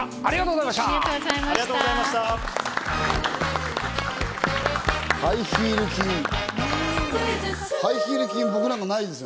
ありがとうございます。